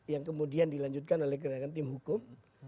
yang kemudian dilanjutkan oleh gerakan tim hukum